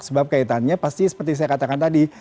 sebab kaitannya pasti seperti saya katakan tadi